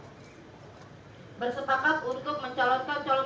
hai bersepakat untuk mencalonkan calon